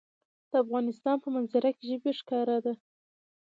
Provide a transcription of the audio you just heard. د افغانستان په منظره کې ژبې ښکاره ده.